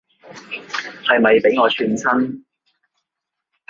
係咪畀我串親